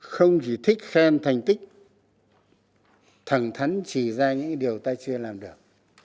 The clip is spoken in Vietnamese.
không chỉ thích khen thành tích thẳng thắn chỉ ra những điều ta chưa làm được